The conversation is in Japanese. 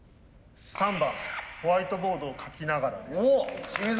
３番ホワイトボードを書きながらです。